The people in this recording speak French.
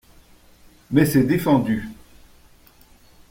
Mais c'est défendu.